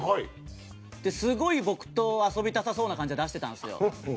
すごい、僕と遊びたさそうな感じ出してたんですよ。